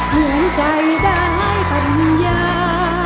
เหมือนใจได้ปัญญา